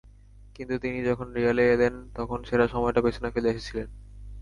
কিন্তু তিনি যখন রিয়ালে এলেন তখন সেরা সময়টা পেছনে ফেলে এসেছিলেন।